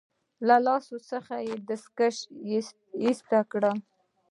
له لاسونو څخه يې دستکشې ایسته کړې.